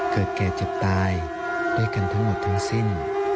เกิดแกจะตายด้วยกันทั้งหมดทั้งสิ้น